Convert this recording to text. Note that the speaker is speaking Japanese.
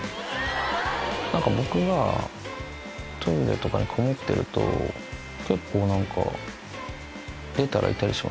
何か僕がトイレとかにこもってると結構何か出たらいたりしますね。